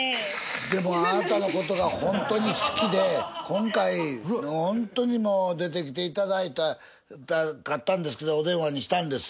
でもあなたのことが本当に好きで今回本当にもう出てきていただきたかったんですけどお電話にしたんです。